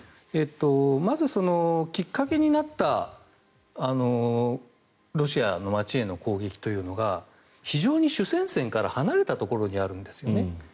まずきっかけになったロシアの街への攻撃というのが非常に主戦線から離れたところにあるんですね。